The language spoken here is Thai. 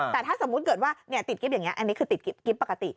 แต่ถ้าสมมุติเกิดว่าติดกิ๊บอย่างนี้อันนี้คือติดกิ๊บปกติ